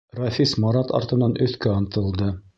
Рәфис Марат артынан өҫкә ынтылды.